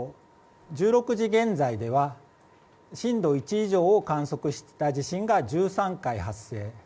１６時現在では震度１以上を観測した地震が１３回発生。